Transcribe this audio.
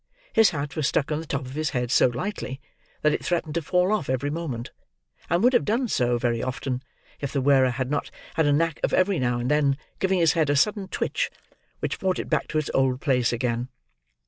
His hat was stuck on the top of his head so lightly, that it threatened to fall off every moment—and would have done so, very often, if the wearer had not had a knack of every now and then giving his head a sudden twitch, which brought it back to its old place again.